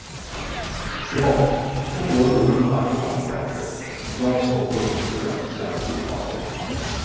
事后中国驻英国大使馆表示要求会议组织者向记者道歉。